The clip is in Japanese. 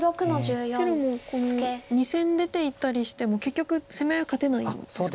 白もこの２線出ていったりしても結局攻め合いは勝てないんですか。